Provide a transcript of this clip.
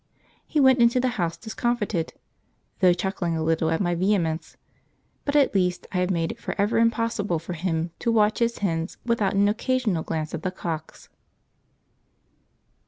He went into the house discomfited, though chuckling a little at my vehemence; but at least I have made it for ever impossible for him to watch his hens without an occasional glance at the cocks.